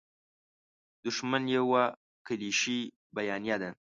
دوښمن یوه کلیشیي بیانیه ده.